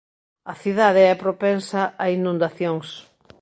A cidade é propensa a inundacións.